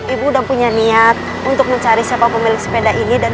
ibu udah punya niat untuk mencari siapa pemilik sepeda ini